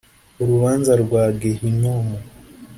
Urubanza rwa gehinomu